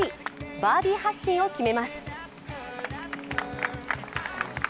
バーディー発進を決めます。